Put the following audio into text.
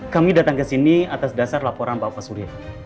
kami datang ke sini atas dasar laporan bapak surya